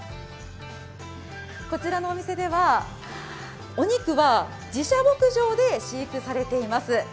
こちらのお店では、お肉は自社牧場で飼育されています。